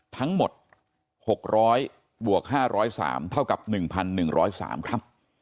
ทั้งหมด๖๐๐บวก๕๐๓เท่ากับ๑๑๐๓ครับ